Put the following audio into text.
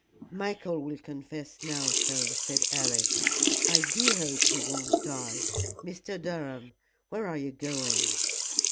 "Michael will confess now, though," said Alice. "I do hope he won't die. Mr. Durham, where are you going?"